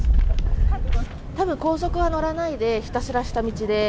たぶん、高速は乗らないで、ひたすら下道で。